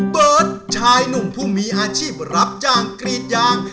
เบิร์ตชายหนุ่มผู้มีอาชีพรับจ้างกรีดยาง